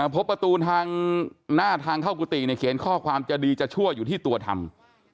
พบประตูทางหน้าทางเข้ากุฏิเขียนข้อความจะดีจะชั่วอยู่ที่ตัวทำ